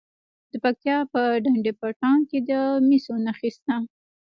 د پکتیا په ډنډ پټان کې د مسو نښې شته.